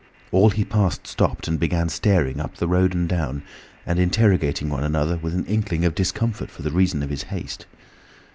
All he passed stopped and began staring up the road and down, and interrogating one another with an inkling of discomfort for the reason of his haste.